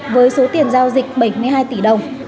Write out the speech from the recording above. với số tiền giao dịch bảy mươi hai tỷ đồng